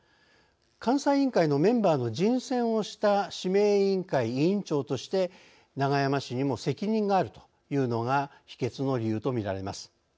監査委員会のメンバーの人選をした指名委員会委員長として永山氏にも責任があるというのが否決の理由とみられます。